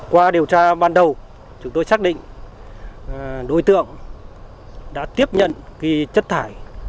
qua điều tra ban đầu chúng tôi xác định đối tượng đã tiếp nhận chất thải